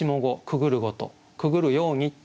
「くぐるごと」くぐるように。